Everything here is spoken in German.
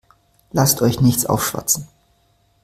Lasst euch nichts aufschwatzen.